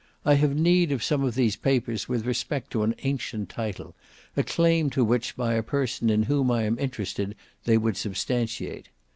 I have need of some of these papers with respect to an ancient title, a claim to which by a person in whom I am interested they would substantiate.